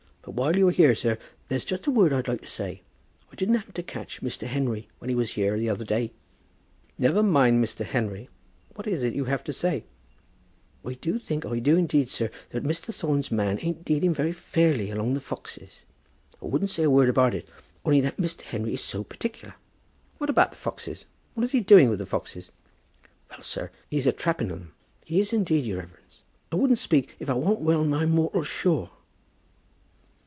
But while you are here, sir, there's just a word I'd like to say. I didn't happen to catch Mr. Henry when he was here the other day." "Never mind Mr. Henry; what is it you have to say?" [Illustration: "Never mind Mr. Henry."] "I do think, I do indeed, sir, that Mr. Thorne's man ain't dealing fairly along of the foxes. I wouldn't say a word about it, only that Mr. Henry is so particular." "What about the foxes? What is he doing with the foxes?" "Well, sir, he's a trapping on 'em. He is, indeed, your reverence. I wouldn't speak if I warn't well nigh mortial sure."